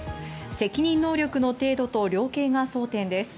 責任能力の程度と量刑が争点です。